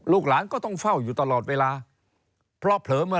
ลูกหลานก็ต้องเฝ้าอยู่ตลอดเวลา